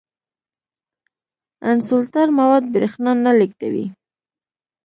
انسولټر مواد برېښنا نه لیږدوي.